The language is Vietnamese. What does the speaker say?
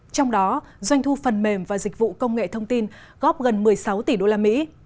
trong đó doanh thu phần mềm và dịch vụ công nghệ thông tin góp gần một mươi sáu tỷ usd